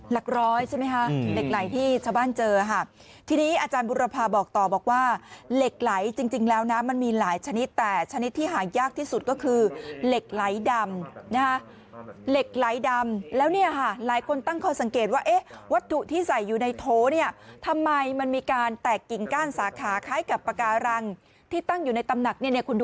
หลักร้อยใช่ไหมคะเหล็กไหลที่ชาวบ้านเจอค่ะทีนี้อาจารย์บุรพาบอกต่อบอกว่าเหล็กไหลจริงแล้วนะมันมีหลายชนิดแต่ชนิดที่หายากที่สุดก็คือเหล็กไหลดำนะฮะเหล็กไหลดำแล้วเนี่ยค่ะหลายคนตั้งข้อสังเกตว่าเอ๊ะวัตถุที่ใส่อยู่ในโถเนี่ยทำไมมันมีการแตกกิ่งก้านสาขาคล้ายกับปากการังที่ตั้งอยู่ในตำหนักเนี่ยคุณดู